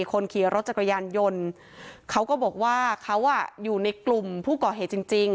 คนขี่รถจักรยานยนต์เขาก็บอกว่าเขาอยู่ในกลุ่มผู้ก่อเหตุจริงจริง